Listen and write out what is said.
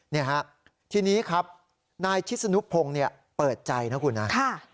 นี่ฮะทีนี้ครับนายชิศนุพงศ์เปิดใจนะคุณนะ